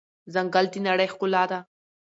ځنګل د نړۍ ښکلا ده.